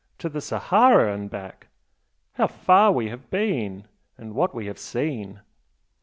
To the Sahara and back! how far we have been, and what we have seen!"